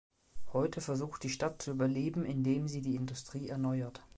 Heute versucht die Stadt zu überleben, indem sie die Industrie erneuert.